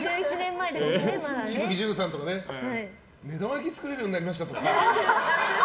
紫吹淳さんとかね目玉焼き作れるようになりましたとか。